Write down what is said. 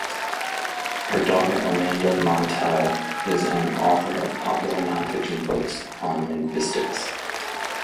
Her daughter Amanda Montell is an author of popular nonfiction books on linguistics.